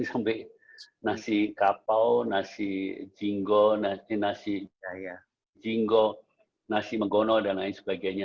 sampai nasi kapau nasi jinggo nasi megono dan lain sebagainya